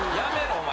お前。